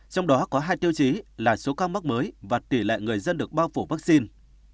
trong đó có hai tiêu chí là số ca mắc mới và tỷ lệ người dân được bao phủ vaccine